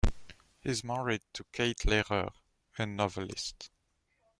He is married to Kate Lehrer, a novelist.